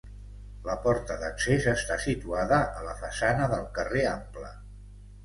La porta d'accés està situada a la façana del carrer Ample.